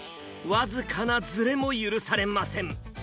僅かなずれも許されません。